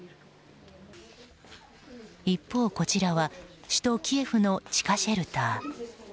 一方、こちらは首都キエフの地下シェルター。